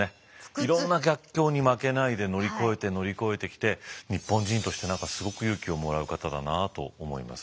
いろんな逆境に負けないで乗り越えて乗り越えてきて日本人として何かすごく勇気をもらう方だなと思いますね。